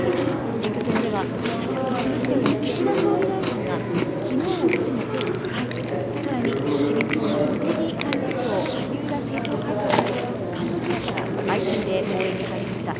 選挙戦では先ほどもありましたように岸田総理大臣がきのうを含めて２回、さらに自民党の茂木幹事長、萩生田政調会長など幹部クラスが相次いで応援に入りました。